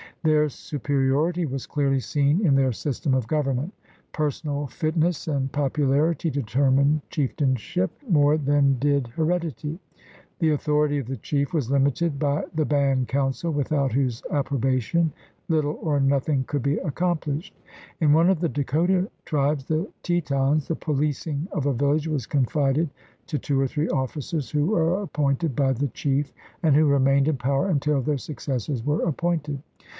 Their superiority was clearly seen in their system of government. Personal fitness and pop ularity determined chieftainship more than did 156 THE RED MAN'S CONTINENT heredity. The authority of the chief was hmited by the Band Council, without whose approbation Httle or nothing could be accomplished. In one of the Dakota tribes, the Tetons, the pohcing of a village was confided to two or three officers who were appointed by the chief and who remained in power until their successors were appointed.